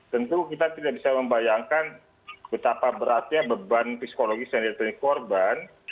tentu kita tidak bisa membayangkan betapa beratnya beban psikologis yang diterima korban